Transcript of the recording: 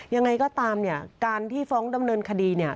ยังไงก็ตามเนี่ยการที่ฟ้องดำเนินคดีเนี่ย